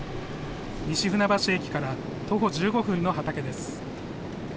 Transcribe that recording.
西船橋駅から徒歩１５分の畑です。